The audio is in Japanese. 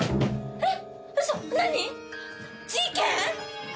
えっ！？